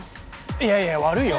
いやいや悪いよ。